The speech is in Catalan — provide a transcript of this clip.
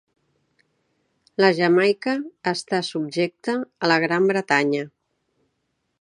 La Jamaica està subjecta a la Gran Bretanya.